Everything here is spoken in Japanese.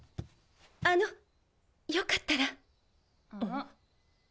あのよかったら。